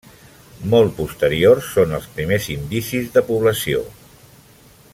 Molt posteriors són els primers indicis de població.